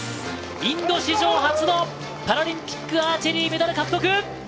インド史上初のパラリンピックアーチェリー、メダル獲得！